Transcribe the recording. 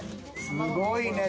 すごいね。